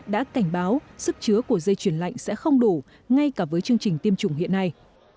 đã cảnh báo sức chứa của dây chuyển lạnh sẽ không đủ ngay cả với chương trình tiêm chủng hiện nay